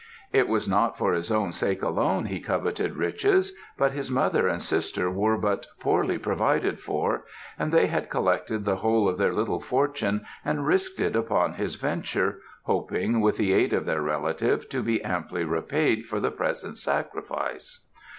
It was not for his own sake alone he coveted riches, but his mother and sister were but poorly provided for, and they had collected the whole of their little fortune and risked it upon this venture, hoping, with the aid of their relative, to be amply repaid for the present sacrifice.